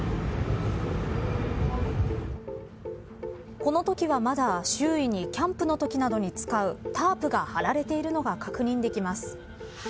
このときは、まだ周囲にキャンプのときなどに使うタープが張られているのが確認できます。